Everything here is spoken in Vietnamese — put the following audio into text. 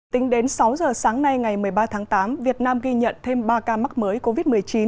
tính đến sáu giờ sáng nay ngày một mươi ba tháng tám việt nam ghi nhận thêm ba ca mắc mới covid một mươi chín